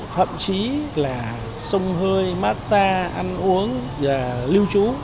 thậm chí là sông hơi massage ăn uống và lưu trú